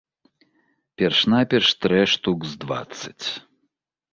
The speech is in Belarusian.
Перш-наперш трэ штук з дваццаць.